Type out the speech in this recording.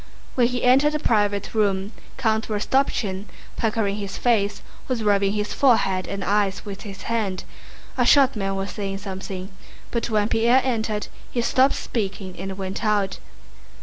When he entered the private room Count Rostopchín, puckering his face, was rubbing his forehead and eyes with his hand. A short man was saying something, but when Pierre entered he stopped speaking and went out.